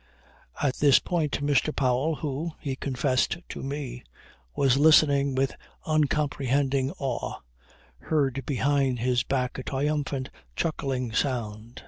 At this point Mr. Powell who (he confessed to me) was listening with uncomprehending awe, heard behind his back a triumphant chuckling sound.